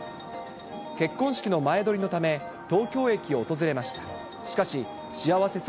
結婚式の前撮りのため、東京駅を訪れました。